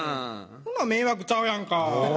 ほな迷惑ちゃうやんか。